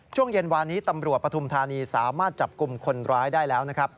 ช่วงเย็นวานนี้ตำรวจปฐุมธานีสามารถจับกลุ่มคนร้ายได้แล้วนะครับ